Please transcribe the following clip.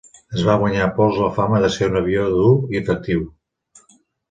Es va guanyar a pols la fama de ser un avió dur i efectiu.